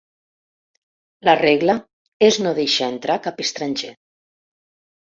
La regla és no deixar entrar cap estranger.